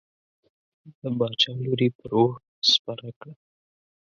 د باچا لور یې پر اوښ سپره کړه.